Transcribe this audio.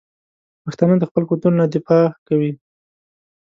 پښتانه د خپل کلتور نه دفاع کوي.